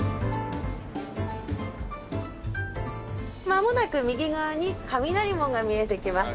まもなく右側に雷門が見えてきます。